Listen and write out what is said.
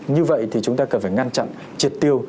như vậy thì chúng ta cần phải ngăn chặn triệt tiêu